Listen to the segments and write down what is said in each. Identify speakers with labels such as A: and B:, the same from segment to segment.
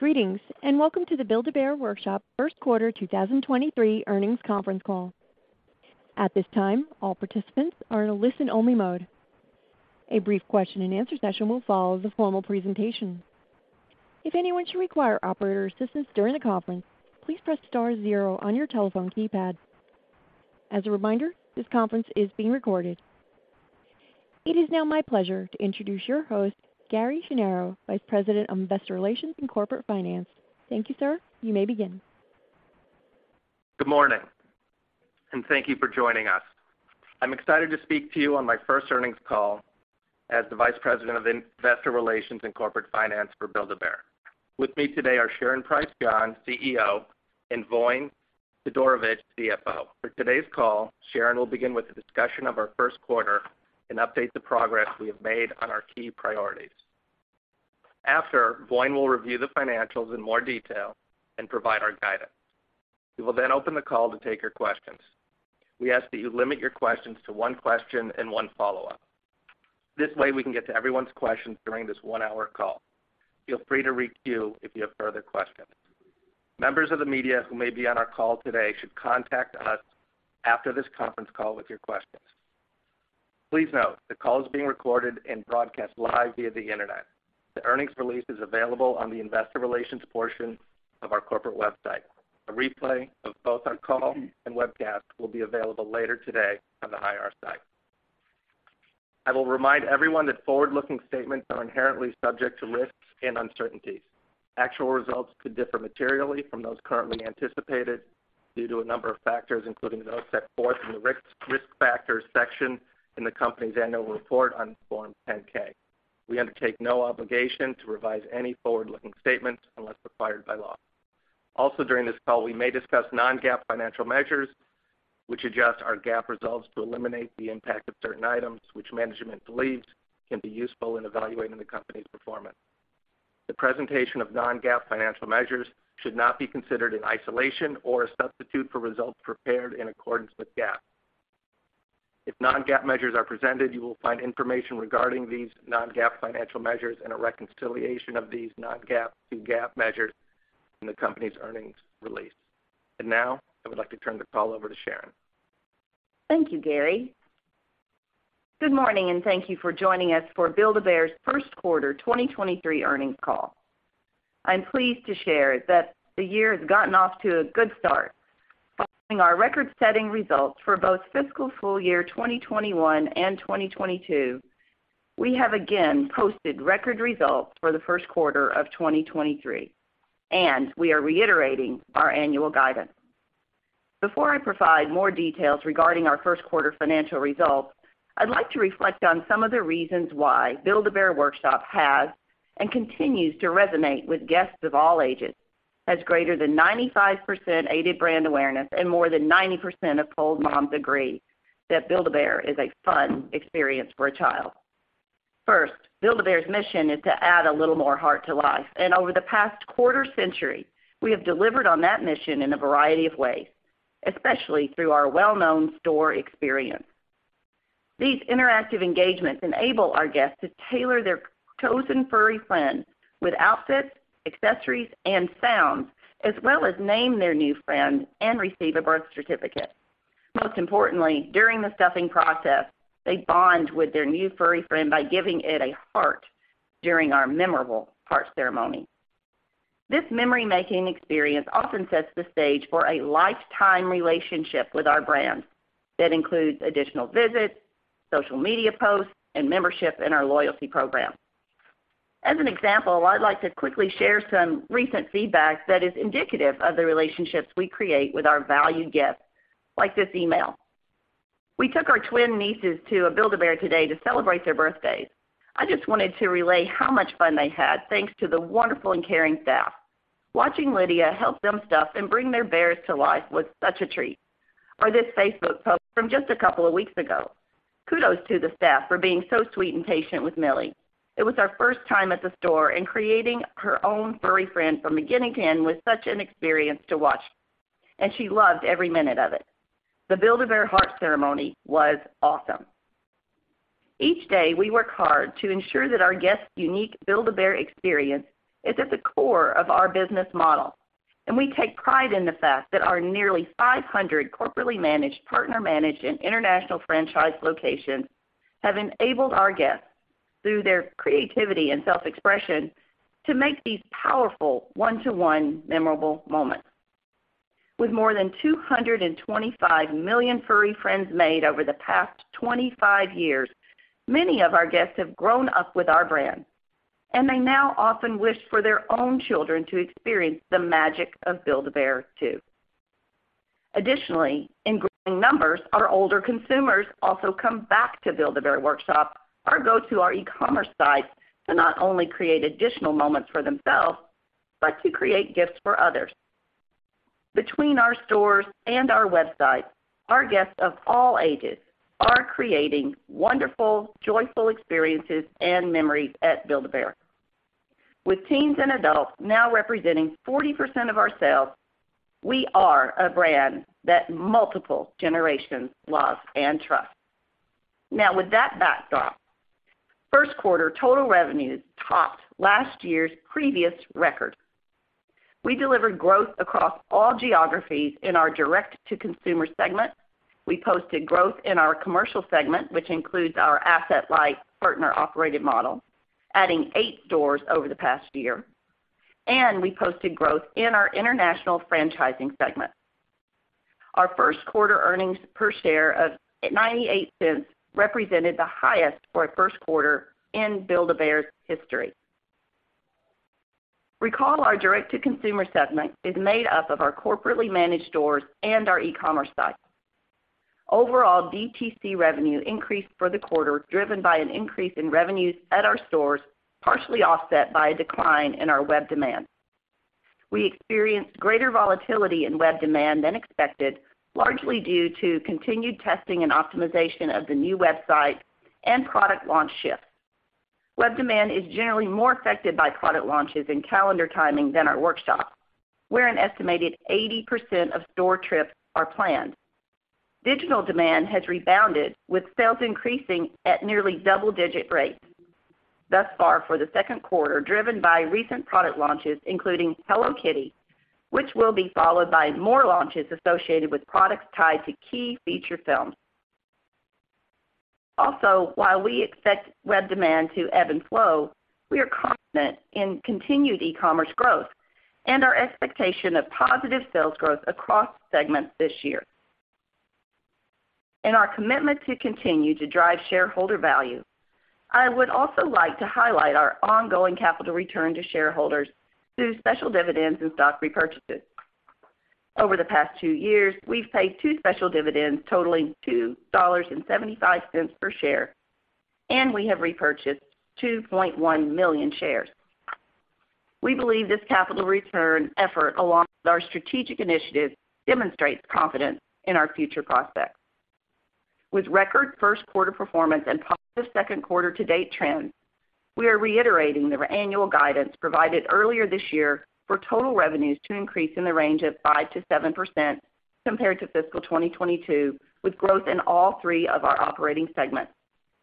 A: Greetings, and welcome to the Build-A-Bear Workshop First Quarter 2023 Earnings Conference Call. At this time, all participants are in a listen-only mode. A brief question-and-answer session will follow the formal presentation. If anyone should require operator assistance during the conference, please press star zero on your telephone keypad. As a reminder, this conference is being recorded. It is now my pleasure to introduce your host, Gary Schnierow, Vice President of Investor Relations and Corporate Finance. Thank you, sir. You may begin.
B: Good morning, and thank you for joining us. I'm excited to speak to you on my first earnings call as the Vice President of Investor Relations and Corporate Finance for Build-A-Bear. With me today are Sharon Price John, CEO, and Voin Todorovic, CFO. For today's call, Sharon will begin with a discussion of our first quarter and update the progress we have made on our key priorities. After, Voin will review the financials in more detail and provide our guidance. We will then open the call to take your questions. We ask that you limit your questions to one question and one follow-up. This way, we can get to everyone's questions during this one-hour call. Feel free to queue if you have further questions. Members of the media who may be on our call today should contact us after this conference call with your questions. Please note, the call is being recorded and broadcast live via the Internet. The earnings release is available on the investor relations portion of our corporate website. A replay of both our call and webcast will be available later today on the IR site. I will remind everyone that forward-looking statements are inherently subject to risks and uncertainties. Actual results could differ materially from those currently anticipated due to a number of factors, including those set forth in the risk factors section in the company's annual report on Form 10-K. We undertake no obligation to revise any forward-looking statements unless required by law. During this call, we may discuss non-GAAP financial measures, which adjust our GAAP results to eliminate the impact of certain items, which management believes can be useful in evaluating the company's performance. The presentation of non-GAAP financial measures should not be considered in isolation or a substitute for results prepared in accordance with GAAP. If non-GAAP measures are presented, you will find information regarding these non-GAAP financial measures and a reconciliation of these non-GAAP to GAAP measures in the company's earnings release. Now, I would like to turn the call over to Sharon.
C: Thank you, Gary. Good morning, and thank you for joining us for Build-A-Bear's first quarter 2023 earnings call. I'm pleased to share that the year has gotten off to a good start. Following our record-setting results for both fiscal full year 2021 and 2022, we have again posted record results for the first quarter of 2023, and we are reiterating our annual guidance. Before I provide more details regarding our first quarter financial results, I'd like to reflect on some of the reasons why Build-A-Bear Workshop has and continues to resonate with guests of all ages, has greater than 95% aided brand awareness, and more than 90% of polled moms agree that Build-A-Bear is a fun experience for a child. First, Build-A-Bear's mission is to add a little more heart to life, and over the past quarter century, we have delivered on that mission in a variety of ways, especially through our well-known store experience. These interactive engagements enable our guests to tailor their chosen furry friend with outfits, accessories, and sounds, as well as name their new friend and receive a birth certificate. Most importantly, during the stuffing process, they bond with their new furry friend by giving it a heart during our memorable heart ceremony. This memory-making experience often sets the stage for a lifetime relationship with our brand that includes additional visits, social media posts, and membership in our loyalty program. As an example, I'd like to quickly share some recent feedback that is indicative of the relationships we create with our valued guests, like this email. We took our twin nieces to a Build-A-Bear today to celebrate their birthdays. I just wanted to relay how much fun they had, thanks to the wonderful and caring staff. Watching Lydia help them stuff and bring their bears to life was such a treat. This Facebook post from just a couple of weeks ago: "Kudos to the staff for being so sweet and patient with Millie. It was her first time at the store, and creating her own furry friend from beginning to end was such an experience to watch, and she loved every minute of it. The Build-A-Bear heart ceremony was awesome!" Each day, we work hard to ensure that our guests' unique Build-A-Bear experience is at the core of our business model, and we take pride in the fact that our nearly 500 corporately managed, partner managed, and international franchise locations have enabled our guests, through their creativity and self-expression, to make these powerful one-to-one memorable moments. With more than 225 million furry friends made over the past 25 years, many of our guests have grown up with our brand, and they now often wish for their own children to experience the magic of Build-A-Bear, too. Additionally, in growing numbers, our older consumers also come back to Build-A-Bear Workshop or go to our e-commerce site to not only create additional moments for themselves, but to create gifts for others. Between our stores and our website, our guests of all ages are creating wonderful, joyful experiences and memories at Build-A-Bear. With teens and adults now representing 40% of our sales, we are a brand that multiple generations love and trust. With that backdrop, first quarter total revenues topped last year's previous record. We delivered growth across all geographies in our direct-to-consumer segment. We posted growth in our commercial segment, which includes our asset-light, partner-operated model, adding 8 stores over the past year, and we posted growth in our international franchising segment. Our first quarter earnings per share of $0.98 represented the highest for a first quarter in Build-A-Bear's history. Recall, our direct-to-consumer segment is made up of our corporately managed stores and our e-commerce site. Overall, DTC revenue increased for the quarter, driven by an increase in revenues at our stores, partially offset by a decline in our web demand. We experienced greater volatility in web demand than expected, largely due to continued testing and optimization of the new website and product launch shifts. Web demand is generally more affected by product launches and calendar timing than our workshops, where an estimated 80% of store trips are planned. Digital demand has rebounded, with sales increasing at nearly double-digit rates thus far for the second quarter, driven by recent product launches, including Hello Kitty, which will be followed by more launches associated with products tied to key feature films. While we expect web demand to ebb and flow, we are confident in continued e-commerce growth and our expectation of positive sales growth across segments this year. In our commitment to continue to drive shareholder value, I would also like to highlight our ongoing capital return to shareholders through special dividends and stock repurchases. Over the past two years, we've paid two special dividends totaling $2.75 per share, and we have repurchased 2.1 million shares. We believe this capital return effort, along with our strategic initiatives, demonstrates confidence in our future prospects. With record first quarter performance and positive second quarter to-date trends, we are reiterating the annual guidance provided earlier this year for total revenues to increase in the range of 5% to 7% compared to fiscal 2022, with growth in all three of our operating segments,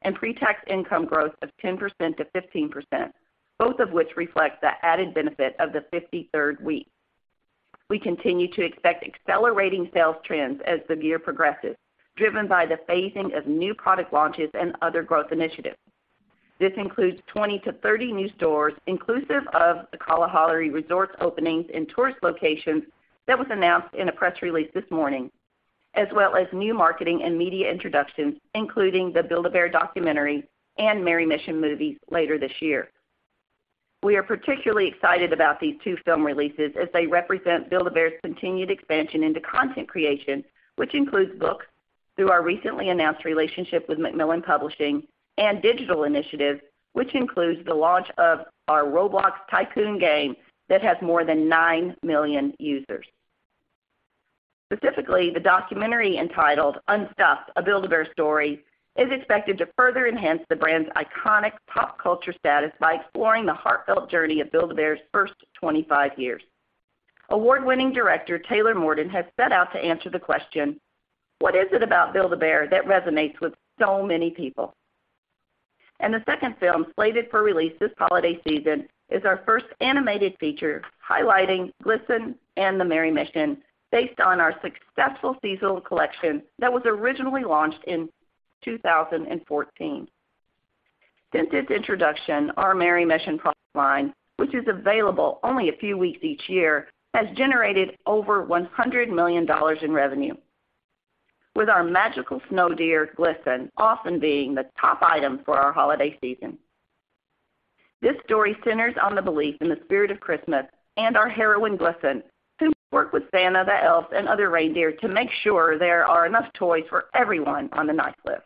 C: and pre-tax income growth of 10% to15%, both of which reflect the added benefit of the 53rd week. We continue to expect accelerating sales trends as the year progresses, driven by the phasing of new product launches and other growth initiatives. This includes 20-30 new stores, inclusive of the Kalahari Resorts openings in tourist locations that was announced in a press release this morning, as well as new marketing and media introductions, including the Build-A-Bear documentary and Merry Mission movies later this year. We are particularly excited about these two film releases, as they represent Build-A-Bear's continued expansion into content creation, which includes books through our recently announced relationship with Macmillan Publishers and Digital Initiatives, which includes the launch of our Roblox Tycoon game that has more than 9 million users. Specifically, the documentary, entitled Unstuffed: A Build-A-Bear Story, is expected to further enhance the brand's iconic pop culture status by exploring the heartfelt journey of Build-A-Bear's first 25 years. Award-winning director, Taylor Morden, has set out to answer the question: What is it about Build-A-Bear that resonates with so many people? The second film, slated for release this holiday season, is our first animated feature, highlighting Glisten and the Merry Mission, based on our successful seasonal collection that was originally launched in 2014. Since its introduction, our Merry Mission product line, which is available only a few weeks each year, has generated over $100 million in revenue, with our magical snow deer, Glisten, often being the top item for our holiday season. This story centers on the belief in the spirit of Christmas and our heroine, Glisten, who worked with Santa, the elves, and other reindeer to make sure there are enough toys for everyone on the nice list.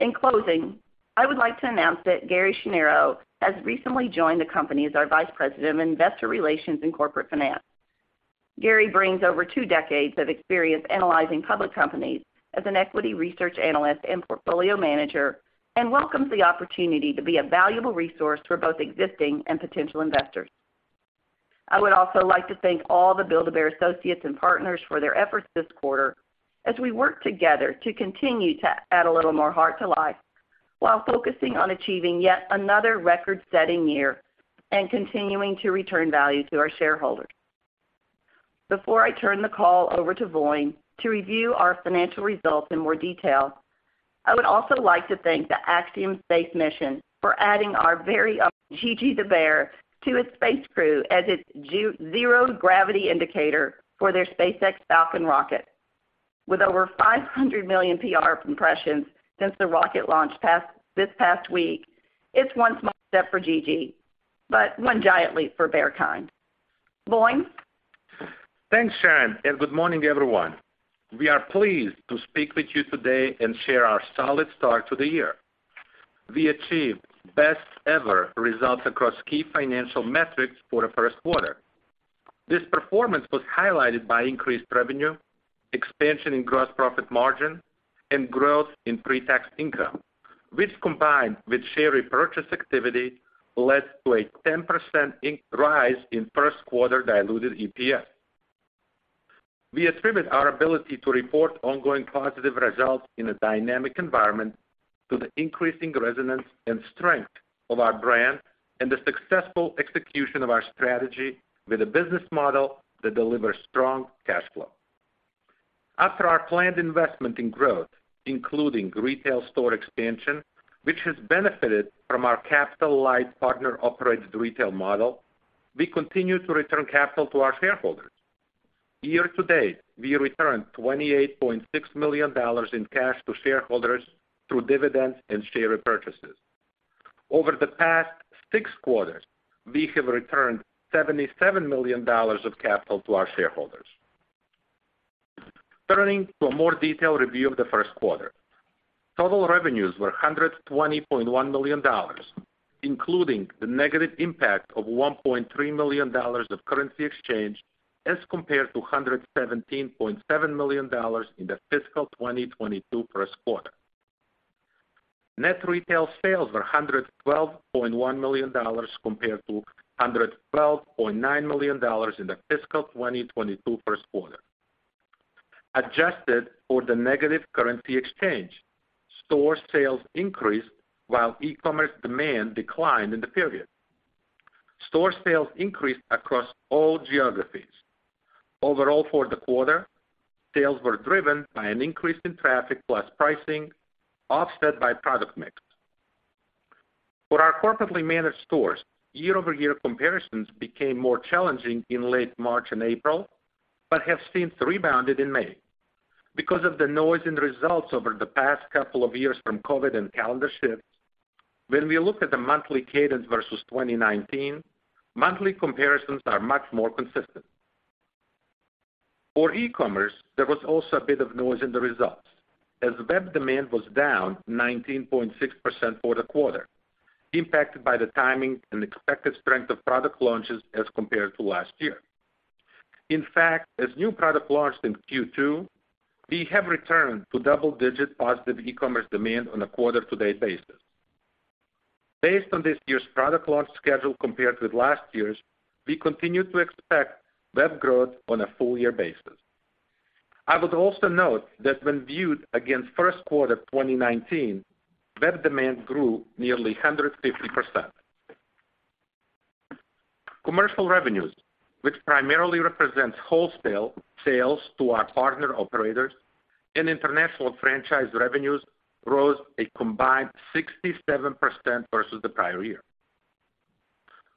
C: In closing, I would like to announce that Gary Schnierow has recently joined the company as our Vice President of Investor Relations and Corporate Finance. Gary brings over two decades of experience analyzing public companies as an equity research analyst and portfolio manager, and welcomes the opportunity to be a valuable resource for both existing and potential investors. I would also like to thank all the Build-A-Bear associates and partners for their efforts this quarter as we work together to continue to add a little more heart to life while focusing on achieving yet another record-setting year and continuing to return value to our shareholders. Before I turn the call over to Voin to review our financial results in more detail, I would also like to thank the Axiom Space Mission for adding our very own GiGi the Bear to its space crew as its zero gravity indicator for their SpaceX Falcon rocket. With over 500 million PR impressions since the rocket launch this past week, it's one small step for GiGi, but one giant leap for bear kind. Voin?
D: Thanks, Sharon, and good morning, everyone. We are pleased to speak with you today and share our solid start to the year. We achieved best-ever results across key financial metrics for the first quarter. This performance was highlighted by increased revenue, expansion in gross profit margin, and growth in pre-tax income, which, combined with share repurchase activity, led to a 10% rise in first quarter diluted EPS. We attribute our ability to report ongoing positive results in a dynamic environment to the increasing resonance and strength of our brand and the successful execution of our strategy with a business model that delivers strong cash flow. After our planned investment in growth, including retail store expansion, which has benefited from our capital-light, partner-operated retail model, we continue to return capital to our shareholders. Year-to-date, we returned $28.6 million in cash to shareholders through dividends and share repurchases. Over the past six quarters, we have returned $77 million of capital to our shareholders. Turning to a more detailed review of the first quarter. Total revenues were $120.1 million, including the negative impact of $1.3 million of currency exchange, as compared to $117.7 million in the fiscal 2022 first quarter. Net retail sales were $112.1 million, compared to $112.9 million in the fiscal 2022 first quarter. Adjusted for the negative currency exchange, store sales increased while e-commerce demand declined in the period. Store sales increased across all geographies. Overall, for the quarter, sales were driven by an increase in traffic plus pricing, offset by product mix. For our corporately managed stores, year-over-year comparisons became more challenging in late March and April, but have since rebounded in May. Because of the noise in the results over the past couple of years from COVID and calendar shifts, when we look at the monthly cadence versus 2019, monthly comparisons are much more consistent. For e-commerce, there was also a bit of noise in the results, as web demand was down 19.6% for the quarter, impacted by the timing and expected strength of product launches as compared to last year. In fact, as new product launched in Q2, we have returned to double-digit positive e-commerce demand on a quarter-to-date basis. Based on this year's product launch schedule compared with last year's, we continue to expect web growth on a full year basis. I would also note that when viewed against first quarter 2019, web demand grew nearly 150%. Commercial revenues, which primarily represents wholesale sales to our partner operators and international franchise revenues, rose a combined 67% versus the prior year.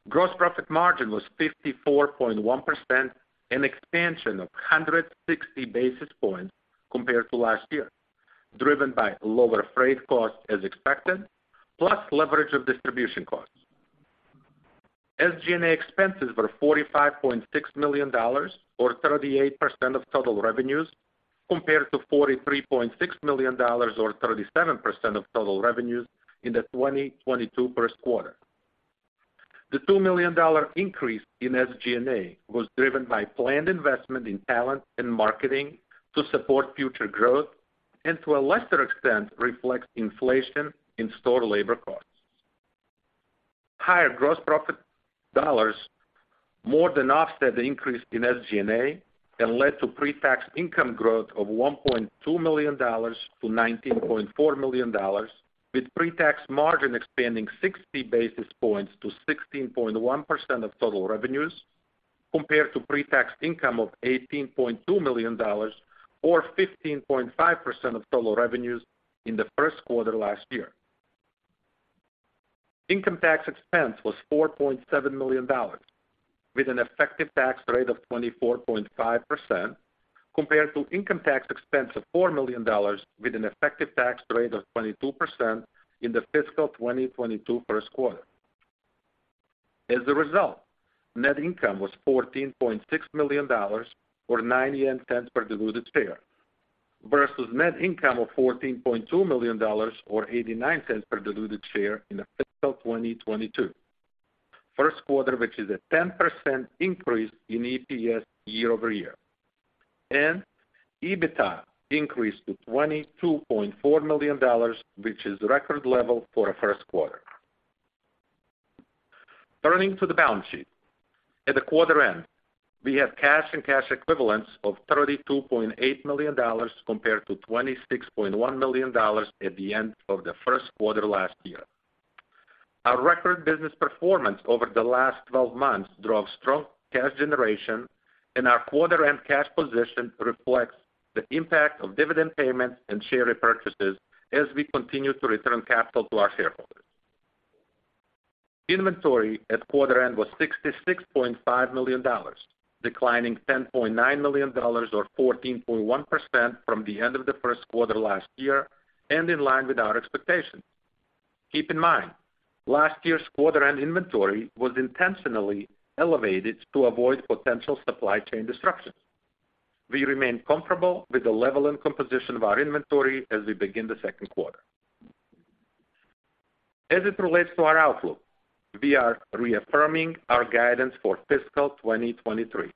D: Gross profit margin was 54.1%, an expansion of 160 basis points compared to last year, driven by lower freight costs as expected, plus leverage of distribution costs. SG&A expenses were $45.6 million, or 38% of total revenues, compared to $43.6 million, or 37% of total revenues, in the 2022 first quarter. The $2 million increase in SG&A was driven by planned investment in talent and marketing to support future growth, and to a lesser extent, reflects inflation in store labor costs. Higher gross profit dollars more than offset the increase in SG&A and led to pre-tax income growth of $1.2 to 19.4 million, with pre-tax margin expanding 60 basis points to 16.1% of total revenues, compared to pre-tax income of $18.2 million or 15.5% of total revenues in the first quarter last year. Income tax expense was $4.7 million, with an effective tax rate of 24.5%, compared to income tax expense of $4 million with an effective tax rate of 22% in the fiscal 2022 first quarter. As a result, net income was $14.6 million, or $0.90 per diluted share, versus net income of $14.2 million, or $0.89 per diluted share in the fiscal 2022 first quarter, which is a 10% increase in EPS year-over-year. EBITDA increased to $22.4 million, which is record level for a first quarter. Turning to the balance sheet. At the quarter-end, we had cash and cash equivalents of $32.8 million, compared to $26.1 million at the end of the first quarter last year. Our record business performance over the last 12 months drove strong cash generation, and our quarter-end cash position reflects the impact of dividend payments and share repurchases as we continue to return capital to our shareholders. Inventory at quarter end was $66.5 million, declining $10.9 million or 14.1% from the end of the first quarter last year, and in line with our expectations. Keep in mind, last year's quarter end inventory was intentionally elevated to avoid potential supply chain disruptions. We remain comfortable with the level and composition of our inventory as we begin the second quarter. As it relates to our outlook, we are reaffirming our guidance for fiscal 2023.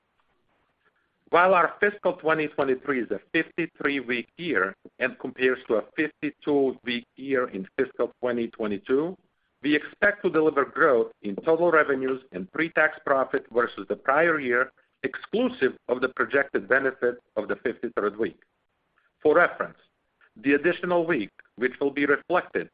D: While our fiscal 2023 is a 53-week year and compares to a 52-week year in fiscal 2022, we expect to deliver growth in total revenues and pre-tax profit versus the prior year, exclusive of the projected benefit of the 53rd week. For reference, the additional week, which will be reflected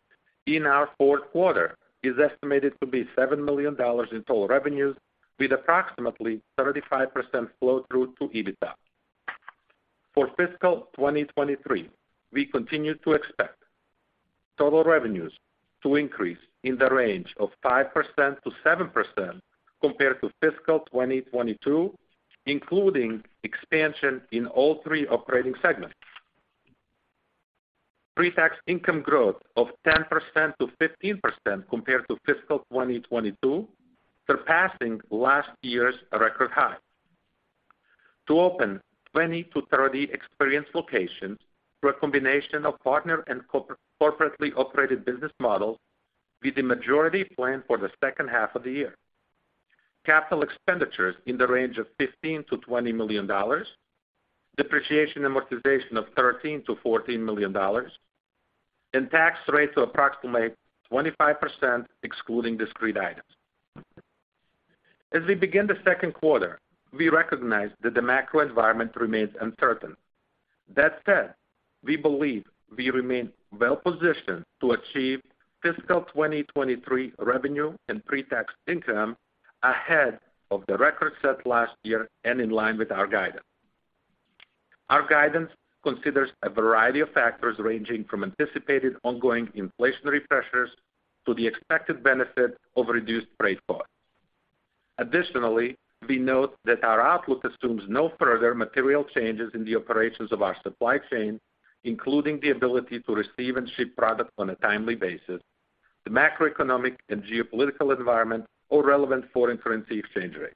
D: in our fourth quarter, is estimated to be $7 million in total revenues, with approximately 35% flow through to EBITDA. For fiscal 2023, we continue to expect total revenues to increase in the range of 5% to 7% compared to fiscal 2022, including expansion in all three operating segments. Pre-tax income growth of 10% to 15% compared to fiscal 2022, surpassing last year's record high. To open 20 to 30 experience locations through a combination of partner and corporately operated business models, with the majority planned for the second half of the year. Capital expenditures in the range of $15 to 20 million. Depreciation and amortization of $13 to 14 million, and tax rates of approximately 25%, excluding discrete items. As we begin the second quarter, we recognize that the macro environment remains uncertain. That said, we believe we remain well positioned to achieve fiscal 2023 revenue and pre-tax income ahead of the record set last year and in line with our guidance. Our guidance considers a variety of factors, ranging from anticipated ongoing inflationary pressures to the expected benefit of reduced freight costs. Additionally, we note that our outlook assumes no further material changes in the operations of our supply chain, including the ability to receive and ship product on a timely basis, the macroeconomic and geopolitical environment, or relevant foreign currency exchange rates.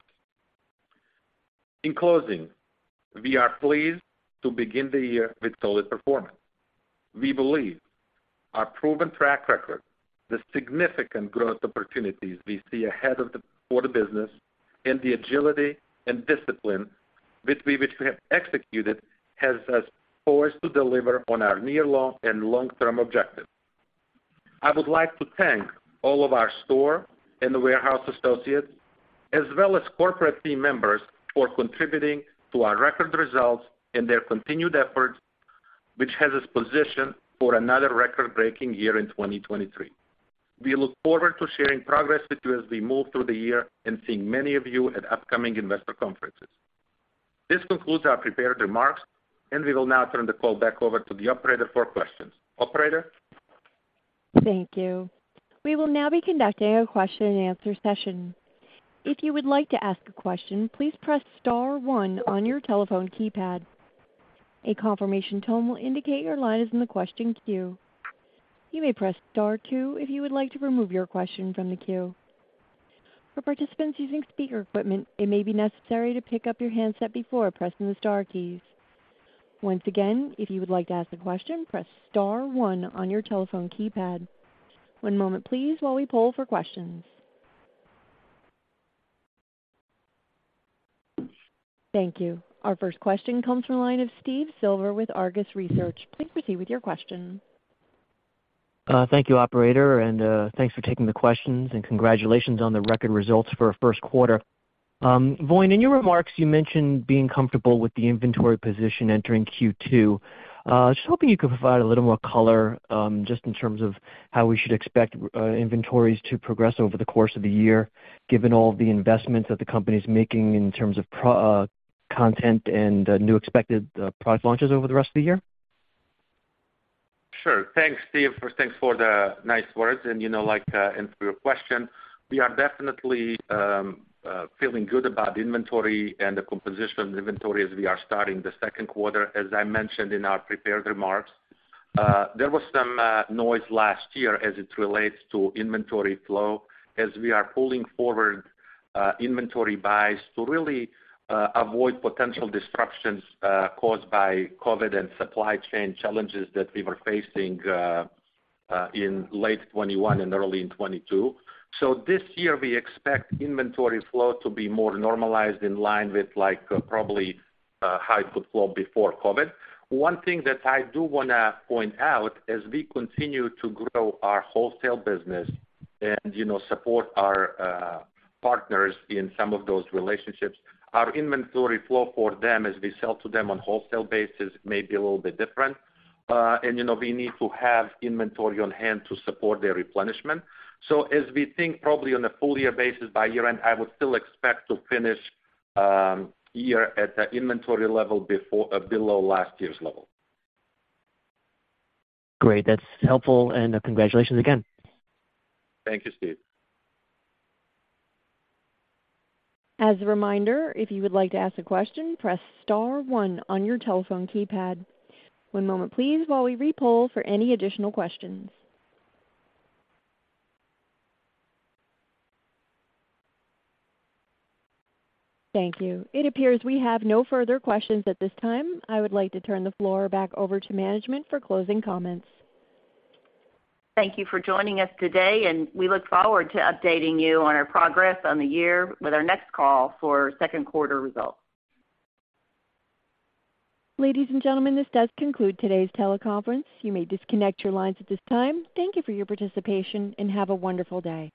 D: In closing, we are pleased to begin the year with solid performance. We believe our proven track record, the significant growth opportunities we see for the business, and the agility and discipline with which we have executed, has us poised to deliver on our near long and long-term objectives. I would like to thank all of our store and the warehouse associates, as well as corporate team members, for contributing to our record results and their continued efforts, which has us positioned for another record-breaking year in 2023. We look forward to sharing progress with you as we move through the year and seeing many of you at upcoming investor conferences. This concludes our prepared remarks, we will now turn the call back over to the operator for questions. Operator?
A: Thank you. We will now be conducting a question-and-answer session. If you would like to ask a question, please press star one on your telephone keypad. A confirmation tone will indicate your line is in the question queue. You may press star two if you would like to remove your question from the queue. For participants using speaker equipment, it may be necessary to pick up your handset before pressing the star keys. Once again, if you would like to ask a question, press star one on your telephone keypad. One moment please while we poll for questions. Thank you. Our first question comes from the line of Steve Silver with Argus Research. Please proceed with your question.
E: Thank you, operator, and thanks for taking the questions, and congratulations on the record results for a first quarter. Voin, in your remarks, you mentioned being comfortable with the inventory position entering Q2. Just hoping you could provide a little more color, just in terms of how we should expect inventories to progress over the course of the year, given all the investments that the company's making in terms of content and new expected product launches over the rest of the year?
D: Sure. Thanks, Steve. First, thanks for the nice words and, you know, like, and for your question. We are definitely feeling good about the inventory and the composition of the inventory as we are starting the second quarter. As I mentioned in our prepared remarks, there was some noise last year as it relates to inventory flow, as we are pulling forward inventory buys to really avoid potential disruptions caused by COVID and supply chain challenges that we were facing in late 2021 and early in 2022. This year, we expect inventory flow to be more normalized in line with like probably how it would flow before COVID. One thing that I do wanna point out, as we continue to grow our wholesale business and, you know, support our partners in some of those relationships, our inventory flow for them, as we sell to them on wholesale basis, may be a little bit different. You know, we need to have inventory on hand to support their replenishment. As we think, probably on a full year basis, by year-end, I would still expect to finish year at the inventory level below last year's level.
E: Great, that's helpful, and, congratulations again.
D: Thank you, Steve.
A: As a reminder, if you would like to ask a question, press star one on your telephone keypad. One moment, please, while we re-poll for any additional questions. Thank you. It appears we have no further questions at this time. I would like to turn the floor back over to management for closing comments.
C: Thank you for joining us today, and we look forward to updating you on our progress on the year with our next call for second quarter results.
A: Ladies and gentlemen, this does conclude today's teleconference. You may disconnect your lines at this time. Thank you for your participation, and have a wonderful day.